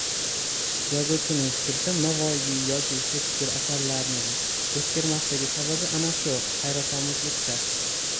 Yozuvchining fikricha, Navoiy yoki Shekspir asarlarining eskirmasligi sababi ana shu hayratomuzlikda